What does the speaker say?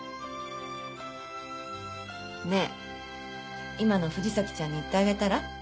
ねぇ今の藤崎ちゃんに言ってあげたら？